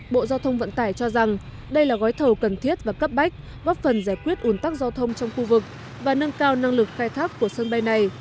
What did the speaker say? bộ giao thông vận tải cho rằng đây là gói thầu cần thiết và cấp bách góp phần giải quyết ủn tắc giao thông trong khu vực và nâng cao năng lực khai thác của sân bay này